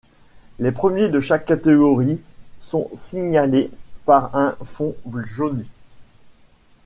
Les premiers de chaque catégorie sont signalés par un fond jauni.